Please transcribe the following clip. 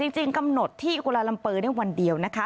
จริงกำหนดที่กุลาลัมเปอร์ได้วันเดียวนะคะ